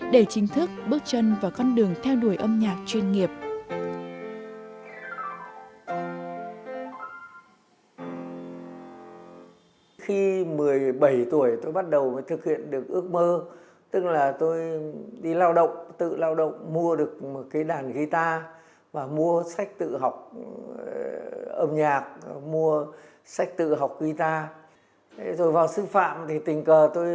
để chính thức bước chân vào con đường theo đuổi âm nhạc chuyên nghiệp